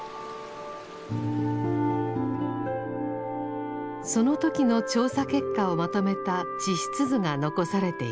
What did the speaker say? その時の調査結果をまとめた地質図が残されています。